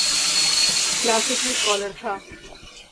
کلاسیکی سکالر تھا۔